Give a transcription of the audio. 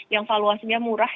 yang valuasinya murah